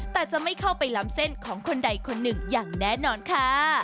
แต่จะไม่เข้าไปล้ำเส้นของคนใดคนหนึ่งอย่างแน่นอนค่ะ